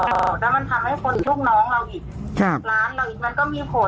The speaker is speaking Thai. ร้านเราอีกมันก็มีผลน่ะไม่ใช่ว่าแค่แค่เรื่องแค่นี้อ่ะ